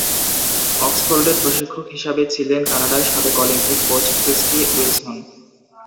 অক্সফোর্ডের প্রশিক্ষক হিসাবে ছিলেন কানাডার সাবেক অলিম্পিক কোচ ক্রিস্টি উইলসন।